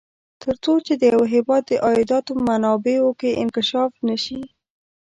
تر څو چې د یوه هېواد د عایداتو منابعو کې انکشاف نه شي.